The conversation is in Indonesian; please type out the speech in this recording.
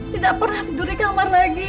tidak pernah tidur di kamar lagi